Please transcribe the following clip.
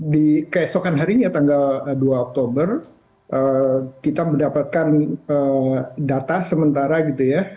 di keesokan harinya tanggal dua oktober kita mendapatkan data sementara gitu ya